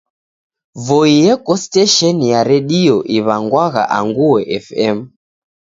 Voi eko stesheni ya redio iw'angwagha Anguo FM.